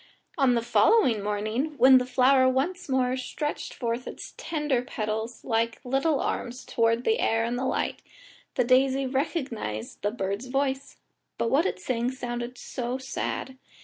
On the following morning, when the flower once more stretched forth its tender petals, like little arms, towards the air and light, the daisy recognised the bird's voice, but what it sang sounded so sad.